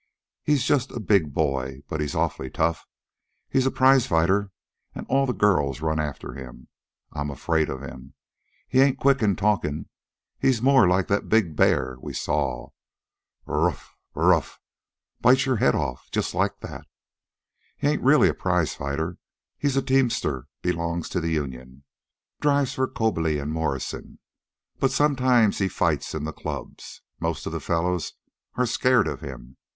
He's just a big boy, but he's awfully tough. He's a prizefighter, an' all the girls run after him. I'm afraid of him. He ain't quick in talkin'. He's more like that big bear we saw. Brr rf! Brr rf! bite your head off, just like that. He ain't really a prize fighter. He's a teamster belongs to the union. Drives for Coberly and Morrison. But sometimes he fights in the clubs. Most of the fellows are scared of him.